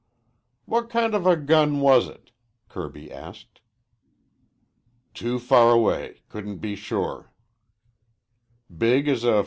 "What kind of a gun was it?" Kirby asked. "Too far away. Couldn't be sure." "Big as a.